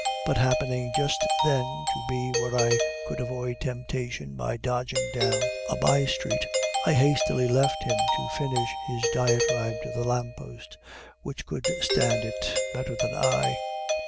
But happening just then to be where I could avoid temptation by dodging down a by street, I hastily left him to finish his diatribe to the lamp post, which could stand it better than I.